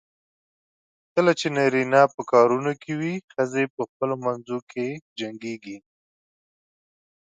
کله چې نارینه په کارونو کې وي، ښځې په خپلو منځو کې جنګېږي.